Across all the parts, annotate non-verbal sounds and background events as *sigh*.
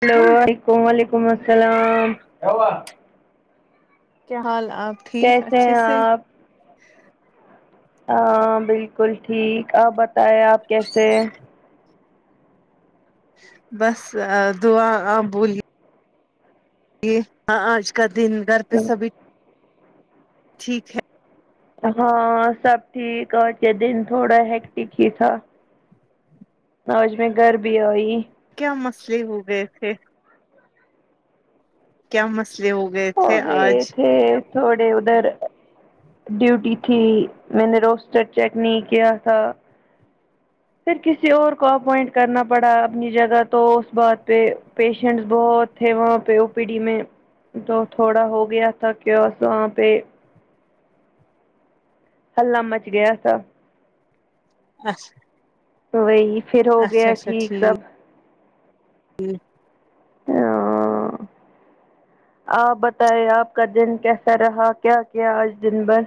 Hello و علیکم وعلیکم السلام کیا حال آپ ٹھیک کیسے اچھے ہیں سے آپ ہاں بالکل ٹھیک آپ بتائے آپ کیسے ہیں بس دعا آپ بولیے لیے ہاں آج کا دن گھر پہ سبھی ٹھیک ہے ہاں سب ٹھیک اور یہ دن تھوڑا ہیکٹک ہی تھا آج میں گھر بھی آئی کیا مسئلے ہو گئے تھے کیا مسئلے ہو گئے ہو تھے گئے آج تھے تھوڑے ادھر ڈیوٹی تھی میں نے رجسٹر چیک نہیں کیا تھا پھر کسی اور کو اپوائنٹ کرنا پڑا اپنی جگہ تو اس بات پہ پیشنٹس بہت تھے وہاں پہ او پی ڈی میں تو تھوڑا ہو گیا تھا کیا وہاں پہ حلہ مچ گیا تھا اچھا وہی پھر ہو اچھا گیا اچھا ٹھیک سب *unintelligible* آپ بتائے آپ کا دن کیسا رہا کیا کیا آج دن بھر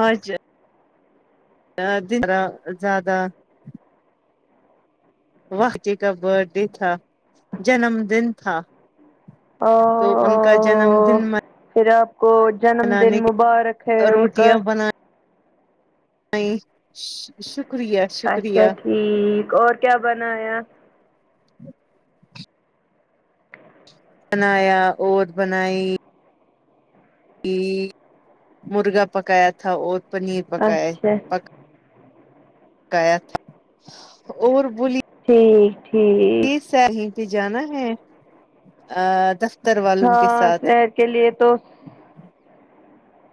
آج *unintelligible* ا جرا زیادہ وق جی کا برتھ ڈے تھا جنم دن تھا او تو ان کا جنم دن م پھر آپ کو جنم دن مبارک ہے کی ان کا نہیں شکریہ اچھا شکریہ ٹھیک اور کیا بنایا بنایا اوٹس بنائی ئی مرغا پکایا تھا اور پنیر پکاے اچھا پک کایا تھا اور بولی ٹھیک ٹھیک ساحل پہ جانا ہے دفتر والوں کے ہاں ساتھ سیر کے لیے تو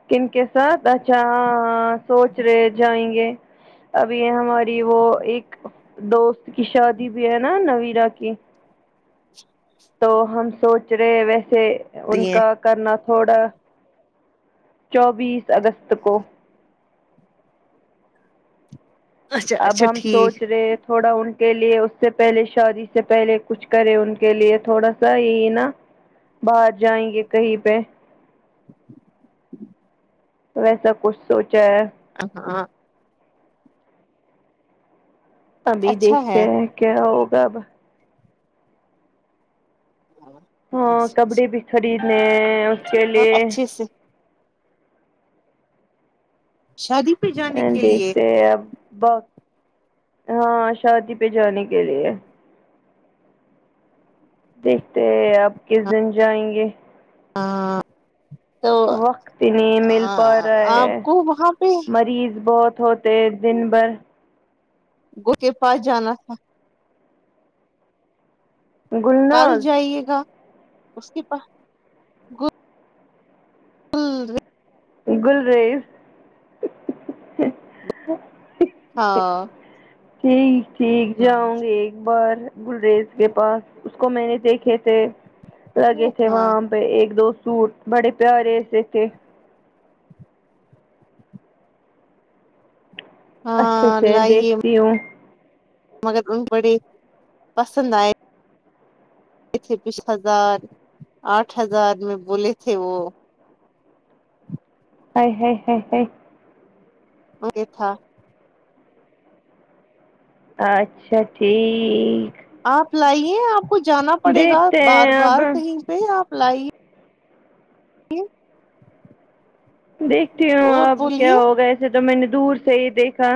کن کے ساتھ اچھا ہاں ہاں سوچ رہے جائیں گے ابھی یہ ہماری وہ ایک دوست کی شادی بھی ہے نا نویرا کی تو ہم سوچ رہے ویسے ان دیے کا کرنا تھوڑا چوبیس اگست کو اچھا اب اچھا ہم ٹھیک سوچ رہے تھوڑا ان کے لیے اس سے پہلے شادی سے پہلے کچھ کرے ان کے لیے تھوڑا سا یہی نا باہر جائیں گے کہیں پہ *inaudible* ویسا کچھ سوچا ہے ہ ہاں ابھی اچھا ہے دیکھتے ہیں کیا ہوگا اب *inaudible* ہاں کپڑے اچھا بھی خریدنے اس کے ٹھیک ہے لیے اچھے سے شادی پہ جانے کے لیے دیکھتے ہیں اب ب ہاں شادی پہ جانے کے لیے دیکھتے ہے اب کس دن جائیں گے ہاں وقت ہی نہیں مل پا رہا ہے آپ کو وہاں پہ مریض بہت ہو تے دن بھر گل کے پاس جانا تھا کل گلناز جائیے گا اس کے پاس *inaudible* گلریز ہی۔ ہی ہی ہاں ٹھیک ٹھیک جاؤں گی ایک بار گلریز کے پاس اس کو میں نے دیکھے تھے لگے تھے ہاں وہاں پہ ایک دو سوٹ بڑے پیارے سے تھے اچھے ہاں سے لائیے دیکھتی ہوں مگر ان بڑے پسند آئے تھے چھبیس ہزار آٹھ ہزار میں بولے تھے وہ ہے ہے ہے ہے وہ یہ تھا اچھا ٹھیک آپ لائیے آپ کو جانا پڑے گا دیکھتے بار ہیں اب بار کہیں پہ آپ لائیے جی دیکھتی ہوں اب کیا ہوگا اچھا تو میں نے دور سے ہی دیکھا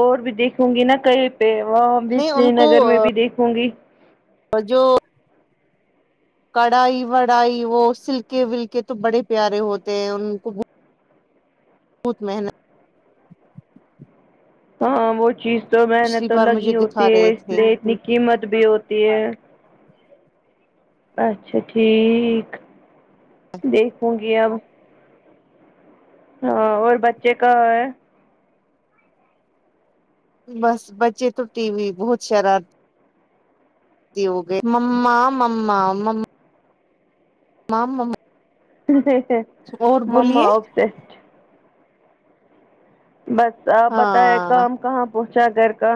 اور بھی دیکھوں گی نا کا پ وہاں بھی نہیں سری ان نگر میں بھی دیکھوں گی اور جو کڑھائی وڑائی وہ سلکے ولکے تو بڑے پیارے ہوتے ہیں ان کو بہت محنت ہاں وہ چیز تو محنت پچھلی تو بار مجھے لگی ہوتی دکھا ہے رہے اس تھے لیے اتنی قیمت بھی ہوتی ہے اچھا ٹھیک دیکھوں گی اب ہاں اور بچے کہاں ہے بس بچے تو ٹی وی بہت شرار تی ہو گئے مما مما مما مام مم ہے۔ ہے۔ ہے مما بولیے آپ سے بس آپ بتائے ہاں کام کہاں پہنچا گھر کا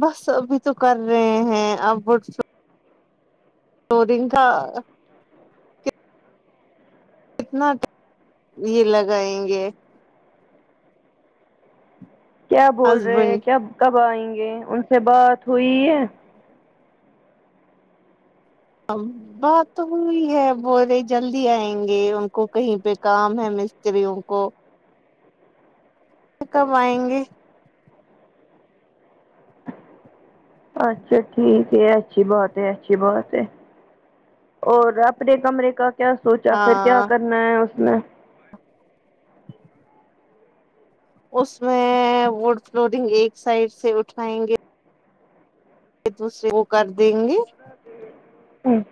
بس ابھی تو کر رہے ہیں اب بٹ دو دن کا کتنا ٹائم یہ لگائیں گے کیا بول رہے ہسبینڈ ہیں کیاب کب آئیں گے ان سے بات ہوئی ہے ہم بات تو ہوئی ہے بول رہے جلدی آئیں گے ان کو کہیں پہ کام ہے مستریوں کو کب آئیں گے اچھا ٹھیک ہے اچھی بات ہے اچھی بات ہے اور اپنے کمرے کا کیا سوچا پھر کیا ہاں کرنا ہے اس نے اس میں وڈ فلورنگ ایک سائڈ سے اٹھائیں گے دوسرے وہ کر دیں گے ہوں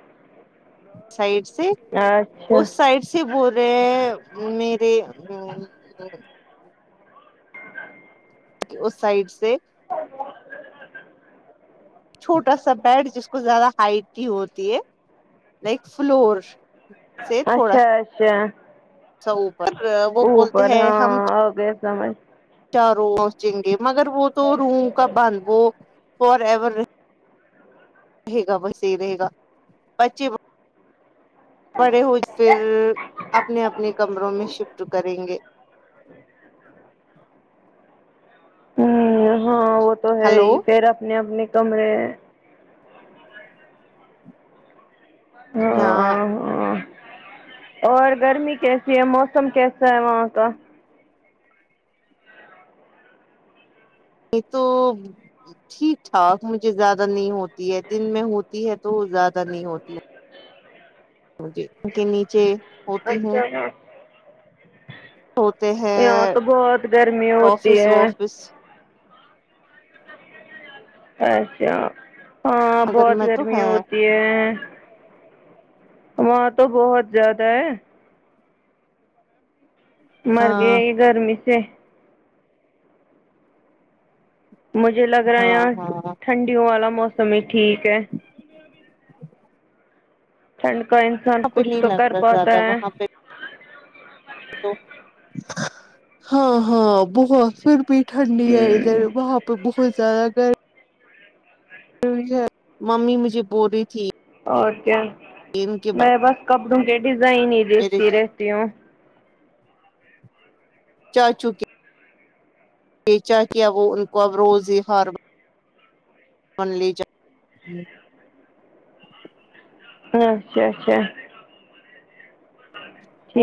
سائڈ سے اچھا اس سائڈ سے کہ بورے میرے اس سائڈ سے چھوٹا سا بیڈ جس کو زیادہ ہائٹ ہی ہوتی ہے لائک فلور سے تھوڑا اچھا اچھا سا اوپر وہ بولتے اوپر ہاں آگیا سمجھ کیا روز چن گے مگر وہ تو روم کا بند وہ فار ایور رہے گا بس یہی رہے گا بچے بڑے ہو پھر اپنے اپنے کمروں میں شفٹ کریں گے ہوں ہاں وہ تو ہے ہلو ہی پھر اپنے اپنے کمرے ہیں جی ہاں اں اور گرمی کیسی ہے موسم کیسا ہے وہاں کا یہ تو ٹھیک ٹھاک مجھے زیادہ نہیں ہوتی ہے دن میں ہوتی ہے تو زیادہ نہیں ہوتی زمین کے نیچے ہوتی اچھا ہوں ہاں ہوتے ہیں یہاں تو بہت گرمی ہوتی آفس ہے وافس اچھا ہاں مگر بہت میں تو گرمی ہے ہوتی ہے وہاں تو بہت زیادہ ہے مر ہاں گئے یہ گرمی سے مجھے لگ رہا ہاں یہاں ہاں وہاں ٹھنڈیوں والا موسم ہی ٹھیک ہے ٹھنڈ کا انسان پہ کچھ نہیں تو کر لگتا پاتا زیادہ ہے وہاں پہ تو ہاں ہاں بہت پھر بھی ٹھنڈی ہے ادھر ہوں وہاں پہ بہت زیادہ گر می ہے ممی مجھے بول رہی تھی اور کیا ان کے میں بعد بس کپڑوں کے ڈیزائن ہی میرے دیکھتی رہتی ہوں چاچو کے بیچا کیا وہ ان کو اب روز ہی ہار من لی جائے ہے اچھا اچھا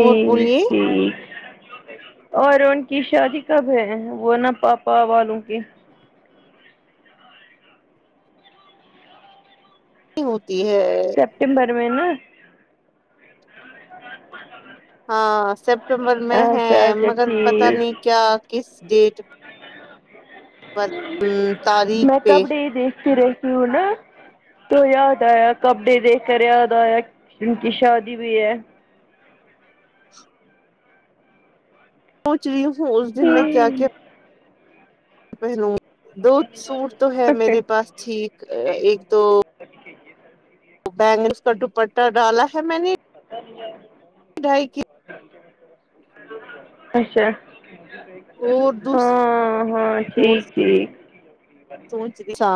اور بولیے ٹھیک اور ان کی شادی کب ہے وہ نا پاپا والوں کی ہوتی ہے سپٹمبر میں نا ہاں سپٹمبر میں ہے اچھا اچھا مگر پتہ ٹھیک نہیں کیا کس ڈیٹ پر تاریخ میں پہ کپڑے ہی دیکھتی رہتی ہوں نا تو یاد آیا کپڑے دیکھ کر یاد آیا ان کی شادی بھی ہے سوچ رہی ہوں اس دن میں کیا کیا پہنو دو سوٹ تو ہے میرے پاس ٹھیک ایک تو بینگلس کا دوپٹہ ڈالا ہے میں نے ڈھائی کی اچھا اور دوسری ہاں ہاں ٹھیک ٹھیک توچ بھیسا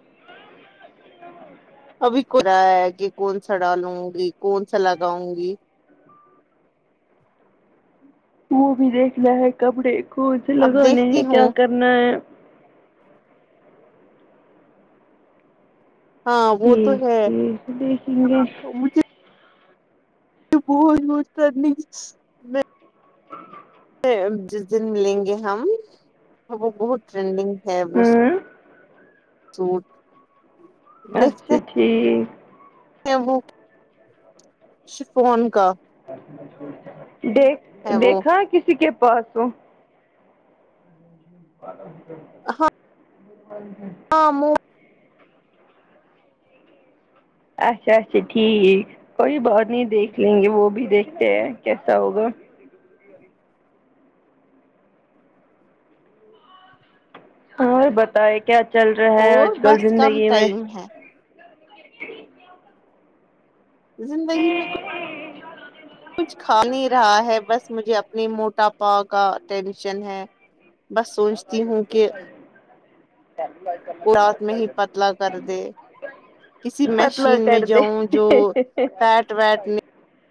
*inaudible* ابھی کھولا ہے کہ کون سا ڈالوں گی کون سا لگاؤں گی وہ بھی دیکھنا ہے کپڑے کو سے اب لگانے ہیں دیکھتی کیا ہوں کرنا ہے ہاں وہ تو ٹھیک ہے ٹھیک دیکھیں گے تو بہت بہت کرنی *inaudible* کے جس دن ملیں گے ہم وہ بہت ٹرینڈنگ ہے وہ ہوں سوٹ اچھا ٹھیک ہے وہ شفون کا دیکھ ہے وہ دیکھا کسی کے پاس ہو *inaudible* ہاں منہ اچھا اچھا ٹھیک کوئی بات نہیں دیکھ لیں گے وہ بھی دیکھتے ہیں کیسا ہوگا اور بتائے کیا چل رہا ہے اور آج کل بس کم زندگی میں ٹائم ہے زندگی میں کچھ کچھ کھا نہیں رہا ہے بس مجھے اپنے موٹاپا کا ٹینشن ہے بس سوچتی ہوں کہ *inaudible* رات میں ہی پتلا کر دے کسی پتلا مشین میں کر دے جاؤں جو فیٹ ویٹ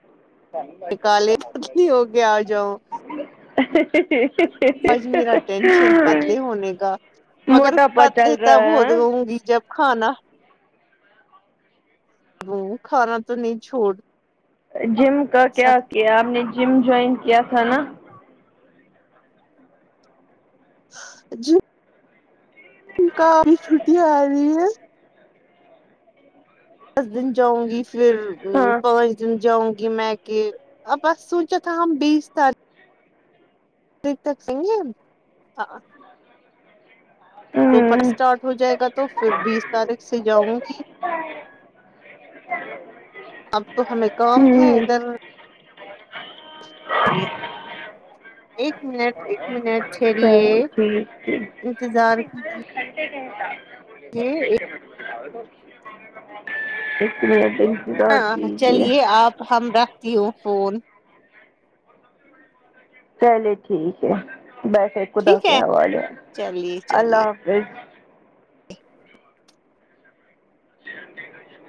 ہے۔ نکالے ہے پتلی ہو کے آ جاؤں ہے۔ ہے۔ ہے۔ ہے۔ مشین پتلے ہونے کا مگر موٹاپا پتلے چل تب رہا ہو ہے ہوں گی جب کھانا کھانا تو نہیں چھوڑ جم کا کیا سکتا کیا آپ نے جم جوائن کیا تھا نا جم کا ابھی چھٹیاں آ رہی ہے دس دن جاؤں گی پھر ہاں پانچ جم جاؤں گی میں کہ اب بس سوچا تھا ہم بیس تاری پتک سگ *unintelligible* تو فرسٹ ہمم اسٹارٹ ہو جائے گا تو پھر بیس تاریخ سے جاؤں گی *inaudible* اب تو ہمیں کام ہے ہمم ادھر یہ ایک منٹ ایک منٹ ٹھہریے چلو ٹھیک ٹھیک انتظار کیجیے ایک منٹ انتظار ہاں کیجیے چلیے آپ اب ہم رکھتی ہوں فون چلے ٹھیک ہے بیٹھے خدا ٹھیک کے ہے حوالے چلیے اللہ چلیے حافظ جی ہٹیک *inaudible*